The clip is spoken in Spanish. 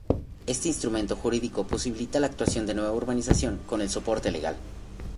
Este instrumento jurídico posibilita la actuación de nueva urbanización con el soporte legal.